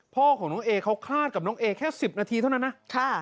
พ่อของน้องเอเขาคลาดกับน้องเอแค่๑๐นาทีเท่านั้นนะ